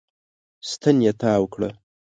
ستن يې تاو کړه.